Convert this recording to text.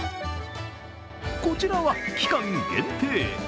こちらは期間限定